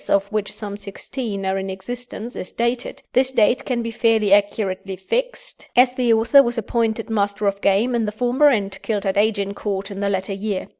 of which some sixteen are in existence, is dated, this date can be fairly accurately fixed, as the author was appointed Master of Game in the former and killed at Agincourt in the latter year.